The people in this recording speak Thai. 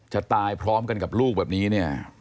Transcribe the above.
จะตายพร้อมกันกับลูกแบบนี้เนี่ย